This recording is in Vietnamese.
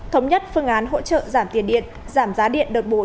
thống nhất phương án hỗ trợ giảm tiền điện giảm giá điện đợt bốn